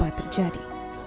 dan tidak terjadi